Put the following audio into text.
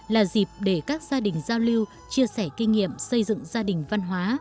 là dịp để các gia đình giao lưu chia sẻ kinh nghiệm xây dựng gia đình văn hóa